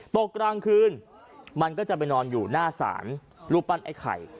ตกกลางคืนมันก็จะไปนอนอยู่หน้าศาลรูปปั้นไอ้ไข่